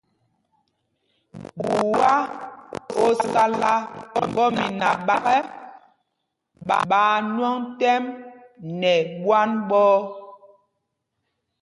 Ɓuá ó sálá ŋgɔ́mina ɓak ɛ, ɓaa ŋwɔŋ tɛ́m nɛ ɓwán ɓɔ̄ɔ̄.